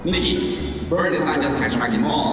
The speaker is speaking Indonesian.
niki bert bukan hanya untuk pemasaran di mal